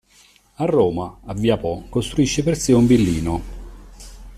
A Roma, a via Po, costruisce per sé un villino.